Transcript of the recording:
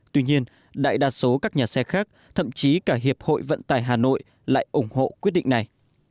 tuy nhiên đại đa số các nhà xe khác thậm chí cả hiệp hội vận tải hà nội lại ủng hộ quyết định này